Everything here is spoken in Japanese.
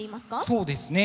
そうですね